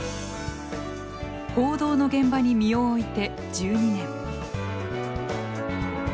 報道の現場に身を置いて１２年。